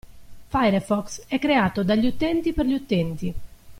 Firefox è creato dagli utenti per gli utenti.